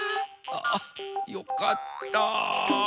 ああよかった。